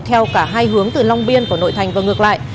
theo cả hai hướng từ long biên vào nội thành và ngược lại